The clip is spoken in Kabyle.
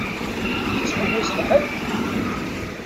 Tettḥewwiseḍ ḥedd?